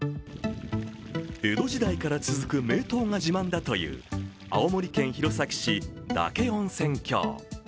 江戸時代から続く名湯が自慢だという青森県弘前市・嶽温泉郷。